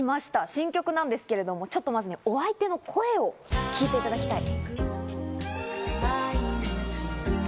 新曲なんですけれども、ちょっとまずお相手の声を聴いていただきたい。